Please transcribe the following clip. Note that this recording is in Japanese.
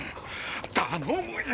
頼むよ！